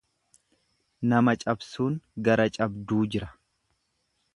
Nama cabsuun gara cabduu jira.